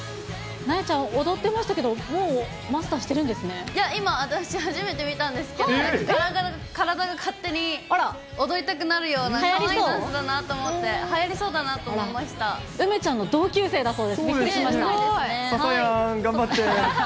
なえちゃん、踊ってましたけいや、今、私初めて見たんですけど、体が勝手に踊りたくなるようなかわいいダンスだなと思って、梅ちゃんの同級生だそうです、ささやん、頑張って。